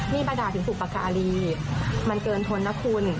นี่บัตราถึงผู้ปกรารีมันเกินพนนะคุณ